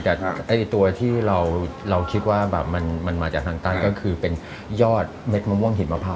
แต่ไอ้ตัวที่เราคิดว่าเขามันมาจากทางใต้ก็คือเป็นยอดเม็ดมงวงหิมพา